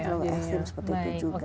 terlalu ekstrim seperti itu juga